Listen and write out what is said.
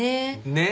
ねっ。